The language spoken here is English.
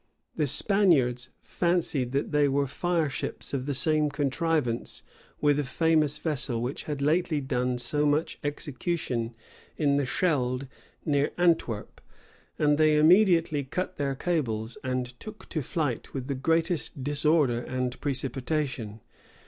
The Spaniards fancied that they were fireships of the same contrivance with a famous vessel which had lately done so much execution in the Schelde near Antwerp; and they immediately cut their cables, and took to flight with the greatest disorder and precipitation.